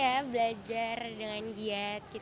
ataupun generasi jajaran yang ada saat ini